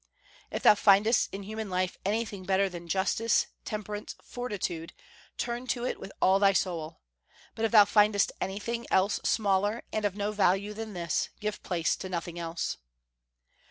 "If thou findest in human life anything better than justice, temperance, fortitude, turn to it with all thy soul; but if thou findest anything else smaller (and of no value) than this, give place to nothing else."